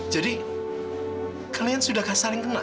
jadi kalian sudah kasar yang kenal